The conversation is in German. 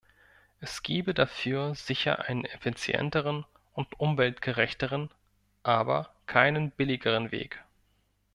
Es gäbe dafür sicher einen effizienteren und umweltgerechteren, aber keinen billigeren Weg.